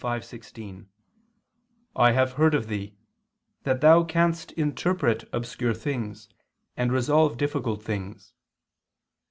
5:16, "I have heard of thee, that thou canst interpret obscure things, and resolve difficult things."